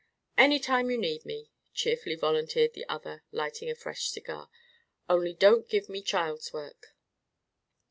"Any time you need me," cheerfully volunteered the other, lighting a fresh cigar. "Only don't give me child's work."